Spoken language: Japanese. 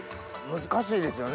難しいですよね